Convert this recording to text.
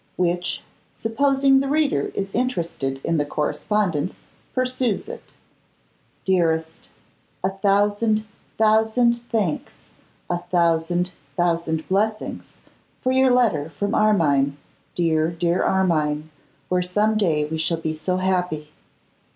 Which, Supposing the Reader Is Interested in the Correspondence, Pursues It. DEAREST! A thousand, thousand thanks, a thousand, thousand blessings, for your letter from Armine, dear, dear Armine, where some day we shall be so happy!